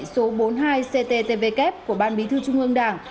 số bốn mươi hai cttvk của ban bí thư trung ương đảng